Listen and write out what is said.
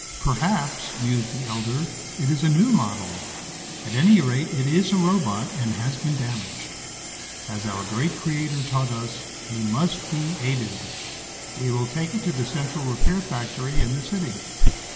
"Perhaps," mused the elder, "it is a new model. At any rate it is a robot and has been damaged. As our great creator taught us, he must be aided. We will take it to the central repair factory in the city."